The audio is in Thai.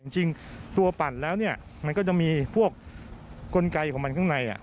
จริงตัวปั่นแล้วเวลากลไกของมันข้างใน